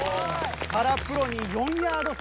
原プロに４ヤード差。